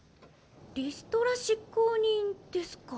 リストラ執行人ですか？